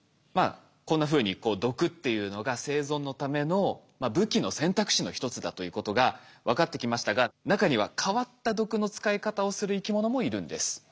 こんなふうに毒っていうのが生存のための武器の選択肢の一つだということが分かってきましたが中には変わった毒の使い方をする生き物もいるんです。